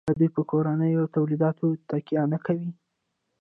آیا دوی په کورنیو تولیداتو تکیه نه کوي؟